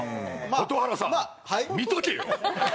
蛍原さん見とけよ！